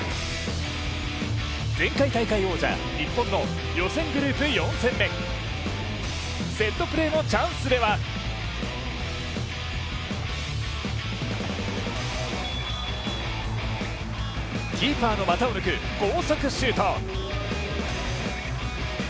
前回大会王者、日本の予選グループ４戦目、セットプレーのチャンスではキーパーの股を抜く高速シュート。